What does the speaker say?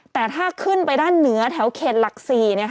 แต่ถ้าขึ้นไปด้านเหนือแถวเขตหลัก๔